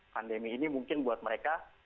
pandemi ini mungkin buat mereka